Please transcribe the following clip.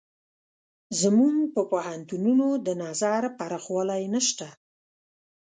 زموږ په پوهنتونونو د نظر پراخوالی نشته.